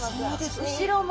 後ろも。